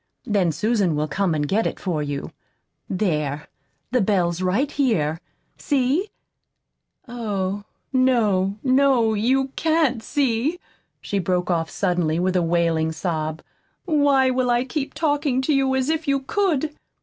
Then Susan will come and get it for you. There, the bell's right here. See? Oh, no, no, you CAN'T see!" she broke off suddenly, with a wailing sob. "Why will I keep talking to you as if you could?"